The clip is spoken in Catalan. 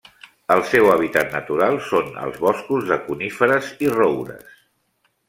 El seu hàbitat natural són els boscos de coníferes i roures.